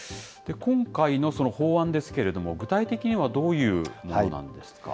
今回のその法案ですけれども、具体的にはどういうものなんです